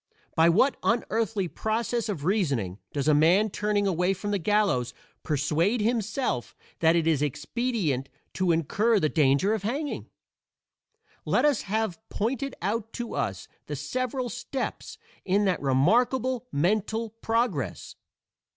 By what unearthly process of reasoning does a man turning away from the gallows persuade himself that it is expedient to incur the danger of hanging? Let us have pointed out to us the several steps in that remarkable mental progress.